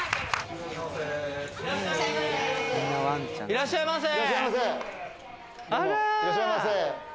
いらっしゃいませ。